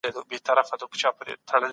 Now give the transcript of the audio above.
تضاد او ګډوډي د ټولني لپاره زیان رسوي.